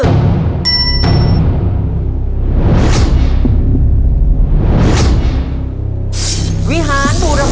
วิหารบูรพาจานสร้างเมื่อปีพศใด